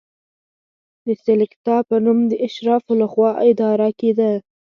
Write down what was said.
د سلکتا په نوم د اشرافو له خوا اداره کېده.